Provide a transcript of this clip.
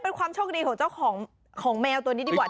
เป็นความโชคดีของเจ้าของของแมวตัวนี้ดีกว่า